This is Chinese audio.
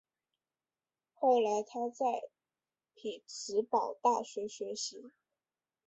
后来他在匹兹堡大学学习。